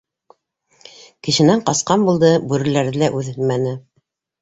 Кешенән ҡасҡан булды, бүреләрҙе лә үҙһенмәне.